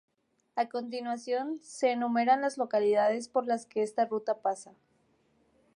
A continuación se enumeran las localidades por las que esta ruta pasa.